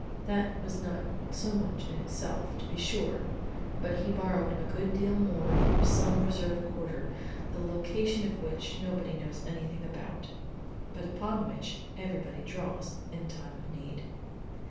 That was not so much in itself, to be sure, but he borrowed a good deal more from some reserve quarter, the location of which nobody knows anything about, but upon which everybody draws in time of need.